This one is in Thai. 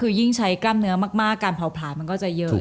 คือยิ่งใช้กล้ามเนื้อมากการเผาผลามันก็จะเยอะ